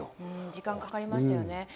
時間かかりましたよね。